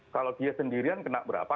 kalau dia sendirian kena berapa